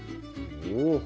お。